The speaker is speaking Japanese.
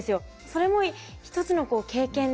それも一つの経験で。